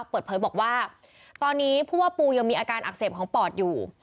เปิดเผยบอกว่าตอนนี้ผู้ว่าปูยังมีอาการอักเสบของปอดอยู่